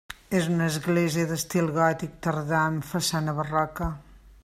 És una església d'estil gòtic tardà amb façana barroca.